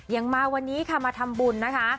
มาวันนี้ค่ะมาทำบุญนะคะ